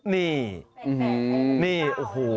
นี่นี่โอ้โห